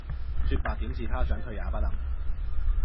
說白點是他想退也不能